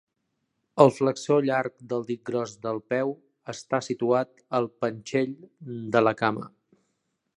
El flexor llarg del dit gros del peu està situat al panxell de la cama.